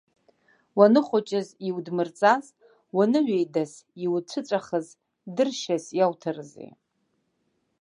Уаныхәыҷыз иудмырҵаз уаныҩеидас иуцәыҵәахыз дыршьас иоуҭарызеи.